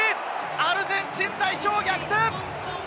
アルゼンチン代表、逆転！